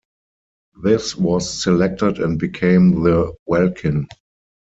This was selected and became the Welkin.